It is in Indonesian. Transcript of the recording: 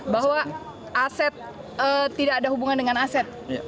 bahwa aset tidak ada hubungan dengan aset